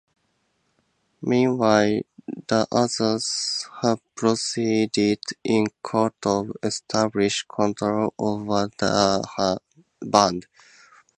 Meanwhile, the others have proceeded in court to establish control over the band.